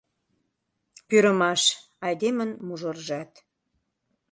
Пӱрымаш — айдемын мужыржат.